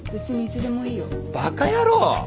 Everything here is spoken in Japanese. バカ野郎！